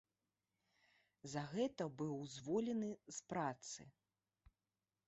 За гэта быў зволены з працы.